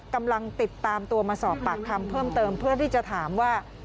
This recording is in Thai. กำลังติดตามตัวมาสอบปากคำเพิ่มเติมเพื่อที่จะถามว่า